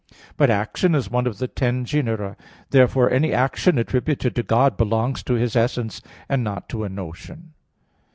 But action is one of the ten genera. Therefore any action attributed to God belongs to His essence, and not to a notion.